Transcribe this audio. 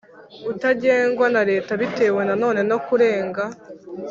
Utagengwa na leta bitewe nanone no kurenga